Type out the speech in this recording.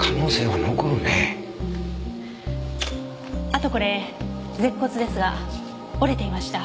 あとこれ舌骨ですが折れていました。